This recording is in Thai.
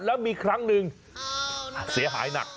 แล้วมีครั้งหนึ่งเสียหายหนัก